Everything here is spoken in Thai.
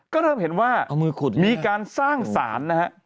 ก็เริ่มเห็นว่ามีการสร้างสารนะฮะ